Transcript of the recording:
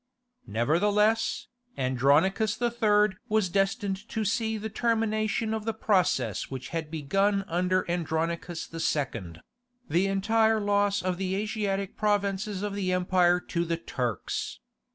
Nevertheless, Andronicus III. was destined to see the termination of the process which had begun under Andronicus II.—the entire loss of the Asiatic provinces of the empire to the Turks.